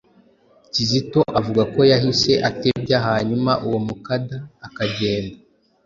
Kizito avuga ko yahise atebya hanyuma uwo mukada akagenda.